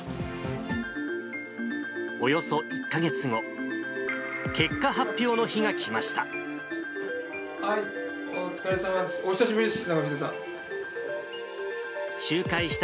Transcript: およそ１か月後、結果発表の日が来ました。